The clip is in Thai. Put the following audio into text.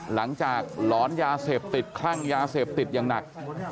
หลังจากหลอนยาเสพติดคลั่งยาเสพติดอย่างหนัก